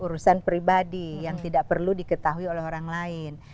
urusan pribadi yang tidak perlu diketahui oleh orang lain